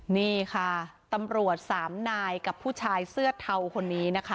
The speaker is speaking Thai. นี่ค่ะตำรวจสามนายกับผู้ชายเสื้อเทาคนนี้นะคะ